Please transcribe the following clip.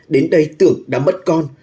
đến đây tưởng đã mất con